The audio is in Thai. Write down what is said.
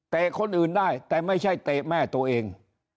คนอื่นได้แต่ไม่ใช่เตะแม่ตัวเอง